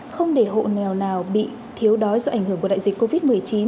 không để hộ nghèo nào bị thiếu đói do ảnh hưởng của đại dịch covid một mươi chín